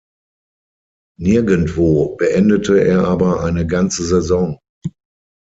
Nirgendwo beendete er aber eine ganze Saison.